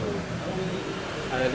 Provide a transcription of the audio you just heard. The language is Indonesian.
yang lain yang lain yang lain